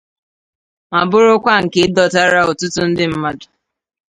ma bụrụkwa nke dọtara ọtụtụ ndị mmadụ